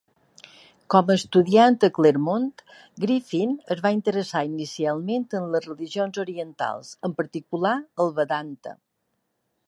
Com a estudiant a Claremont, Griffin es va interessar inicialment en les religions orientals, en particular el Vedanta.